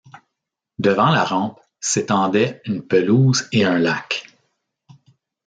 Devant la rampe, s'étendait une pelouse et un lac.